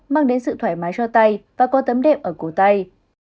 mang đến sự thoải mái cho tay và có tấm đệm ở cổ tay